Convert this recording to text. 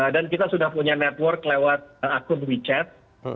dan kita sudah punya network lewat akun wechat